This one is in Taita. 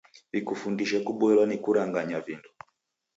W'ikufundishe kuboilwa ni kuranganya vindo.